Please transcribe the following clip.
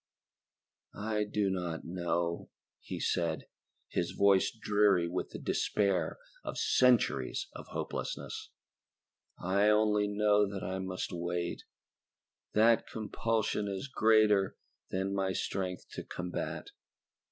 "I do not know," he said, his voice dreary with the despair of centuries of hopelessness. "I only know that I must wait that compulsion is greater than my strength to combat."